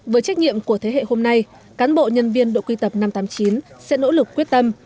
với trách nhiệm của thế hệ hôm nay cán bộ nhân viên đội quy tập năm trăm tám mươi chín sẽ nỗ lực quyết tâm